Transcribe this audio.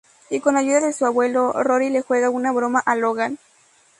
Y con ayuda de su abuelo, Rory le juega una broma a Logan.